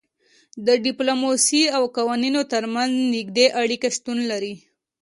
د ډیپلوماسي او قوانینو ترمنځ نږدې اړیکه شتون لري